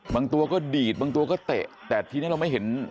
บางตัวก็ดีดบางตัวก็เตะแต่ทีนี้เราไม่เห็น